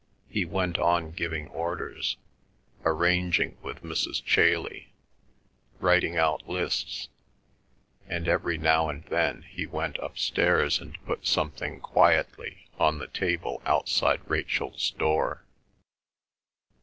He went on giving orders, arranging with Mrs. Chailey, writing out lists, and every now and then he went upstairs and put something quietly on the table outside Rachel's door.